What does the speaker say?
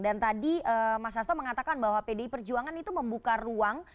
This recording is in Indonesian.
dan tadi mas astok mengatakan bahwa pdi perjuangan itu membuka ruang